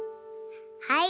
はい。